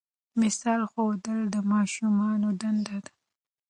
مثال ښودل د ماشومانو دنده ده.